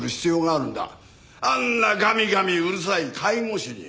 あんなガミガミうるさい介護士に。